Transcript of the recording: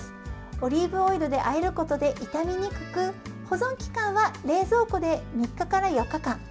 オリーブオイルであえることで傷みにくく保存期間は冷蔵庫で３日から４日間。